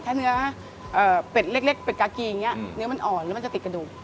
ถ้าเป็ดเล็กกากรีเนื้อจะอ่อนแล้วมันจะติดกระดูก